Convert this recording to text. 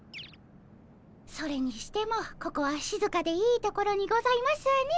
それにしてもここはしずかでいい所にございますね。